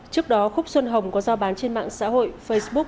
trước đó khúc xuân hồng có giao bán trên mạng xã hội facebook